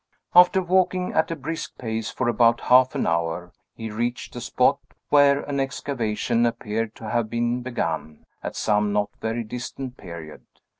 After walking at a brisk pace for about half an hour, he reached a spot where an excavation appeared to have been begun, at some not very distant period.